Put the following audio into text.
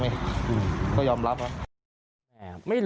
ผมก็เลยวิ่งไป